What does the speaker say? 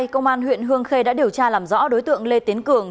công an huyện hương khê đã điều tra làm rõ đối tượng lê tiến cường